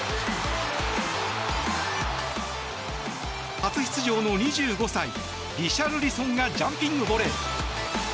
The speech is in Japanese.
初出場の２５歳リシャルリソンがジャンピングボレー。